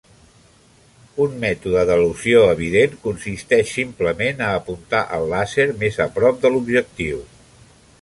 Una mètode d'elusió evident consisteix simplement a apuntar el làser més a prop de l'objectiu.